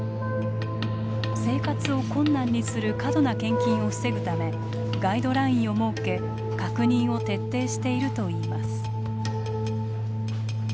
生活を困難にする過度な献金を防ぐためガイドラインを設け確認を徹底しているといいます。